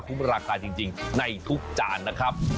ราคาจริงในทุกจานนะครับ